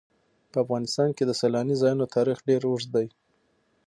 په افغانستان کې د سیلاني ځایونو تاریخ ډېر اوږد دی.